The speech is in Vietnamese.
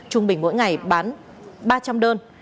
trung bình mỗi ngày bán ba trăm linh đơn